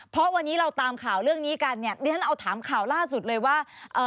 เพราะวันนี้เราตามข่าวเรื่องนี้กันเนี่ยดิฉันเอาถามข่าวล่าสุดเลยว่าเอ่อ